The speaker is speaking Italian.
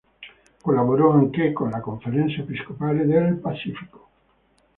Collaborò anche con la Conferenza episcopale del Pacifico.